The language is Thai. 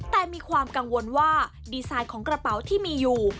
แต่มีความกังวลว่าดีไซน์ของกระเป๋าที่มีอยู่